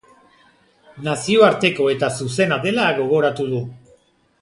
Nazioarteko eta zuzena dela gogoratu du.